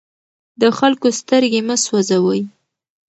د خلکو سترګې مه سوځوئ.